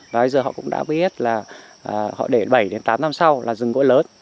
và bây giờ họ cũng đã biết là họ để bảy đến tám năm sau là rừng gỗ lớn